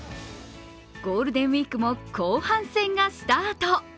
ゴールデンウイークも後半戦がスタート。